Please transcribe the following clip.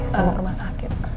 sama rumah sakit